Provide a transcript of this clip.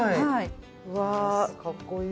うわかっこいい。